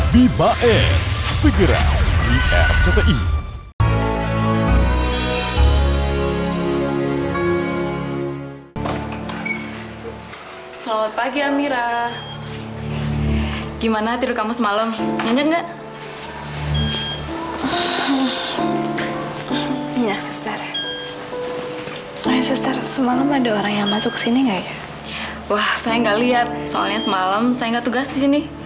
bibae figurant di rti